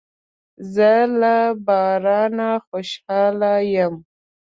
زه له بارانه خوشاله یم.